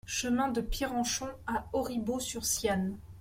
Chemin de Pierrenchon à Auribeau-sur-Siagne